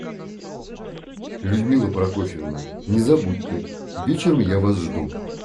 Людмила Прокофьевна, не забудьте, вечером я Вас жду.